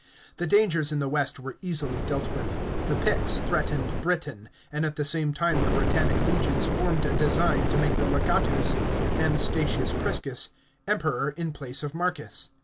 The dangers in the west were easily dealt with. The Picts threatened Britain, and at the same time the Britannic legions formed a design to make the legatus, M. Statius Priscus, Einperor in place ot Marcus.